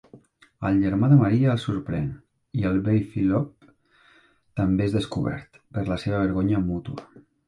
El germà de Maria els sorprèn, i el vell Philpot també és descobert, per la seva vergonya mútua.